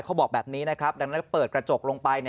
เขาบอกแบบนี้นะครับดังนั้นเปิดกระจกลงไป